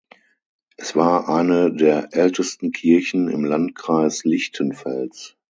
Es war eine der ältesten Kirchen im Landkreis Lichtenfels.